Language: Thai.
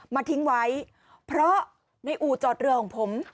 มาทิ้งไว้เพราะในอู่จอดเรือของผม